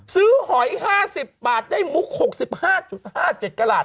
ซื้อหอย๕๐บาทได้มุค๖๕๕๗กลัวหลัด